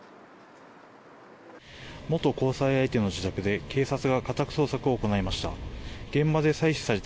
元交際相手の自宅で警察が家宅捜索を行いました。